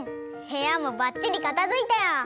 へやもばっちりかたづいたよ。